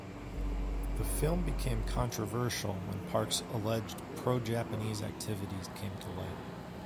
The film became controversial when Park's alleged pro-Japanese activities came to light.